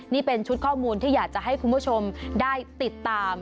นี่เป็นชุดข้อมูลที่อยากจะให้คุณผู้ชมได้ติดตาม